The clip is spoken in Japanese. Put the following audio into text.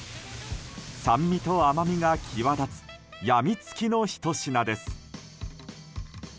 酸味と甘みが際立つやみつきのひと品です。